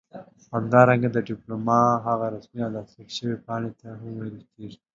همدارنګه ډيپلوما هغې رسمي او لاسليک شوي پاڼې ته هم ويل کيږي